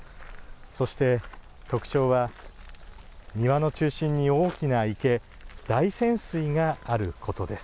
そして、特徴は庭の中心に大きな池大泉水があることです。